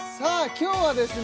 今日はですね